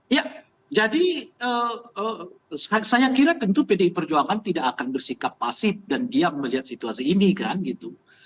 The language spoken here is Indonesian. ya jadi saya kira tentu pdi perjuangan tidak akan bersikap pasif dan diam melihat situasi ini kan gitu